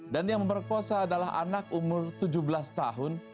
dan yang memperkosa adalah anak umur tujuh belas tahun